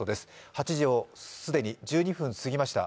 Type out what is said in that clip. ８時を既に１２分過ぎました。